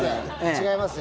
違いますよ。